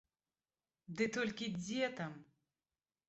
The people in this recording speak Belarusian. Ды толькі дзе там!